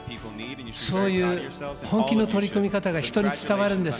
そういう本気の取り組み方が、人に伝わるんです。